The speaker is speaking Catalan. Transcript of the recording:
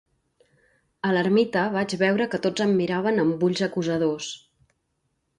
A l'ermita vaig veure que tots em miraven amb ulls acusadors.